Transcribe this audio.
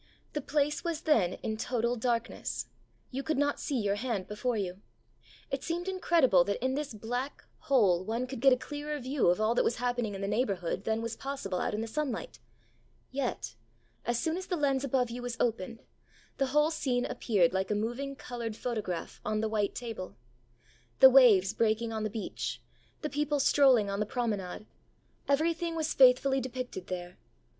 The place was then in total darkness; you could not see your hand before you. It seemed incredible that in this black hole one could get a clearer view of all that was happening in the neighbourhood than was possible out in the sunlight. Yet, as soon as the lens above you was opened, the whole scene appeared like a moving coloured photograph on the white table. The waves breaking on the beach; the people strolling on the promenade; everything was faithfully depicted there.